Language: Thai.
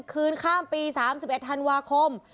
คืนข้ามปี๓๑ธันวาคม